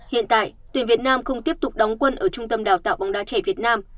hiện tại tuyển việt nam không tiếp tục đóng quân ở trung tâm đào tạo bóng đá trẻ việt nam